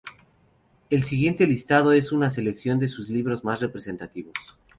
El siguiente listado es una selección de sus libros más representativos.